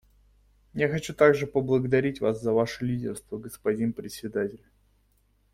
Я хочу также поблагодарить вас за ваше лидерство, господин Председатель.